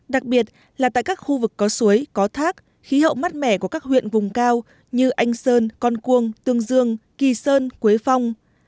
đặc biệt là tại các khu vực có suối có thác khí hậu mát mẻ của các huyện vùng cao như anh sơn con cuông tương dương kỳ sơn quế phong